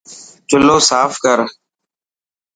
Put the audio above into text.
چلو صاف ڪر.